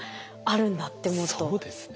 そうですね。